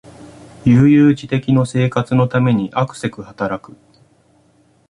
悠々自適の生活のためにあくせく働く